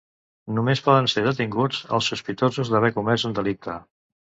Només poden ser detinguts els sospitosos d’haver comès un delicte.